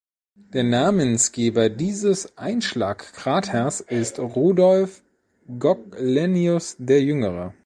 Der Namensgeber dieses Einschlagkraters ist Rudolf Goclenius der Jüngere.